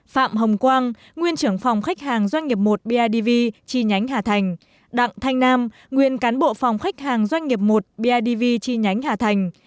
phạm hồng quang nguyên trưởng phòng khách hàng doanh nghiệp một bidv chi nhánh hà thành đặng thanh nam nguyên cán bộ phòng khách hàng doanh nghiệp một bidv chi nhánh hà thành